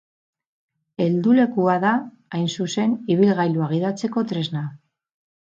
Heldulekua da, hain zuzen, ibilgailua gidatzeko tresna.